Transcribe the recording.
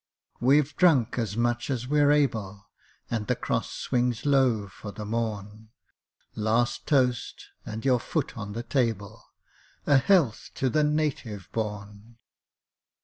We've drunk as much as we're able, And the Cross swings low for the morn; Last toast and your foot on the table! A health to the Native born!